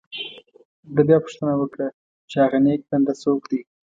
ده بیا پوښتنه وکړه چې هغه نیک بنده څوک دی.